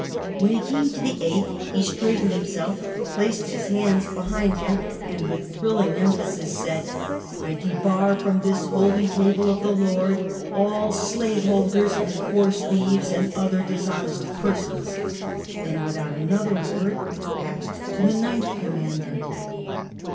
When he came to the eighth, he straightened himself, placed his hands be hind him, and with thrilling emphasis said, " I debar from this holy table of the Lord, all slave holders and horse thieves, and other dishonest persons," and with out another word passed to the ninth commandment.